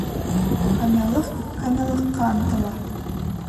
Камиллыҡ камиллыҡҡа ынтыла.